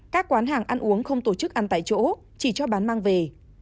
các quán hàng ăn uống không tổ chức ăn tại chỗ chỉ cho bán mang về